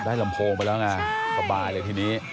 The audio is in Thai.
ลำโพงไปแล้วไงสบายเลยทีนี้